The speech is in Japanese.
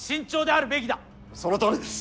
そのとおりです。